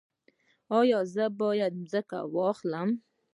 ایا زه باید ځمکه واخلم؟